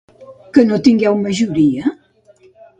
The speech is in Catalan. Que no tingueu majoria?.